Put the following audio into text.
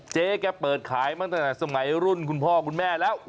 เจ๊แกเปิดขายมาตั้งแต่สมัยรุ่นคุณพ่อคุณแม่แล้ว